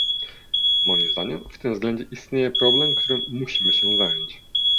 Moim zdaniem w tym względzie istnieje problem, którym musimy się zająć